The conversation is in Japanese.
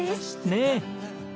ねえ。